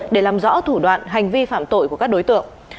để làm rõ thủ đoạn hành vi phạm tội của các đối tượng